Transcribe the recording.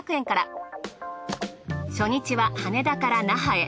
初日は羽田から那覇へ。